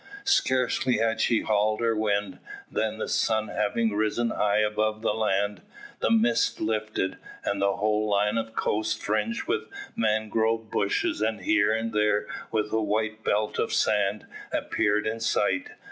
Scarcely had she hauled her wind, than the sun having risen high above the land, the mist lifted, and the whole line of coast fringed with mangrove bushes, and here and there with a white belt of sand, appeared in sight.